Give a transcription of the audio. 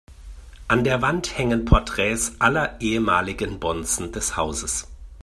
An der Wand hängen Porträts aller ehemaligen Bonzen des Hauses.